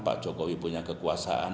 pak jokowi punya kekuasaan